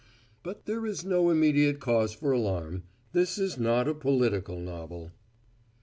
But there is no immediate cause for alarm; this is not a political novel.